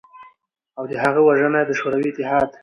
او د هغه وژنه ېې د شوروی اتحاد